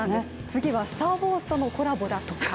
次は、「スター・ウォーズ」とのコラボだとか。